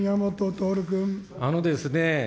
あのですね。